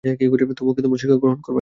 তবুও কি তোমরা শিক্ষা গ্রহণ করবে না?